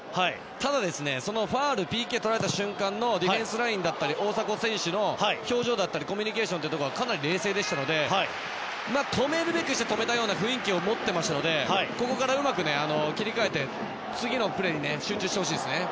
ただ、ファウルＰＫを取られた時の大迫選手の表情だったりコミュニケーションとかがかなり冷静でしたので止めるべくして止めたような雰囲気を持っていたのでここからうまく切り替えて次のプレーに集中してほしいですね。